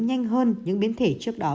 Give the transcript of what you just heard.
nhanh hơn những biến thể trước đó